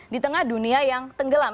di tengah dunia yang tenggelam